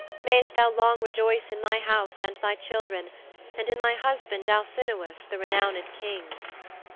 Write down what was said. Mayst thou long rejoice in thy house and thy children, and in thy husband, Alcinous, the renowned King.'